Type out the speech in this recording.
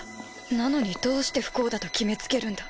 なのにどうして不幸だと決めつけるんだ？